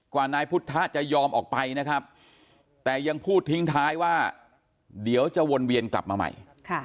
นายพุทธจะยอมออกไปนะครับแต่ยังพูดทิ้งท้ายว่าเดี๋ยวจะวนเวียนกลับมาใหม่